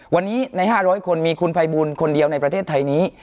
วันนี้ใน๕๐๐คนมีคุณภัยบูลคนเดียวในประเทศไทยนี้